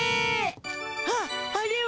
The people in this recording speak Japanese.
ああれは。